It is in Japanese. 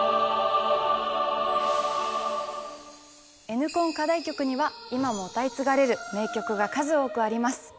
Ｎコン課題曲には今も歌い継がれる名曲が数多くあります。